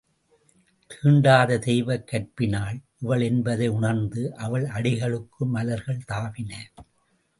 தீண்டாத தெய்வக் கற்பினாள் இவள் என்பதை உணர்ந்து அவள் அடிகளுக்கு மலர்கள் தாவினர்.